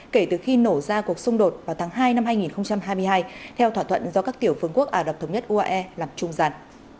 kể từ khi nổ ra cuộc xung đột vào tháng hai năm hai nghìn hai mươi hai theo thỏa thuận do các tiểu phương quốc ả rập thống nhất uae làm trung gian